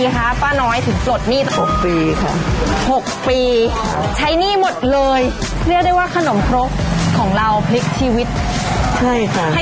หมดกี่โมงป่ะจ๊ะ